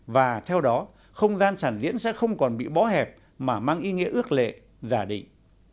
và theo đó không gian sản diễn sẽ không còn bị bó hẹp mà mang ý nghĩa ước lệ giả định